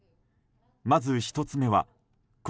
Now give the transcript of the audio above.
まず１つ目は故